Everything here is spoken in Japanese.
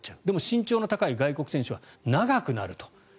でも身長の高い外国選手は長くなると。